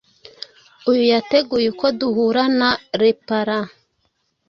uyu yateguye uko duhura na leparan,